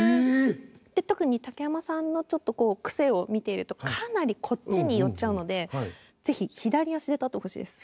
特に竹山さんのちょっと癖を見てるとかなりこっちに寄っちゃうので左足で立つ？